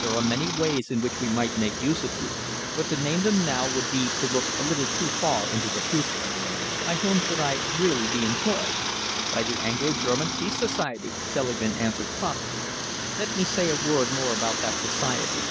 "There are many ways in which we might make use of you, but to name them now would be to look a little too far into the future." "By whom should I really be employed?" "By the Anglo German Peace Society," Selingman answered promptly. "Let me say a word more about that society.